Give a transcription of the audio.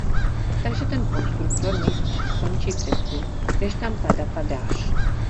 Takže ten konstruktor nejspíš skončí před tím, než tam ta data dáš.